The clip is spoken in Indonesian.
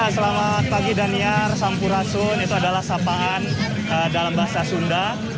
selamat pagi daniar sampurasun itu adalah sapaan dalam bahasa sunda